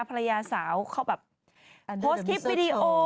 ภรรยาสาวเขาแบบโพสต์คลิปวิดีโอ